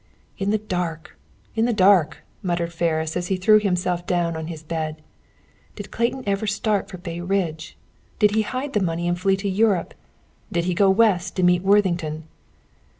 "In the dark! In the dark!" muttered Ferris, as he threw himself down on his bed. "Did Clayton ever start for Bay Ridge? Did he hide the money and flee to Europe? Did he go West to meet Worthington?"